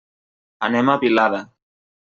Anem a Vilada.